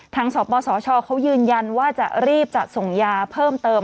สปสชเขายืนยันว่าจะรีบจัดส่งยาเพิ่มเติม